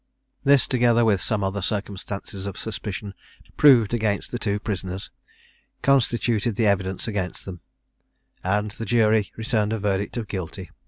This, together with some other circumstances of suspicion, proved against the two prisoners, constituted the evidence against them; and the jury returned a verdict of Guilty.